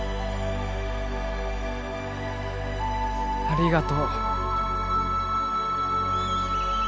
ありがとう。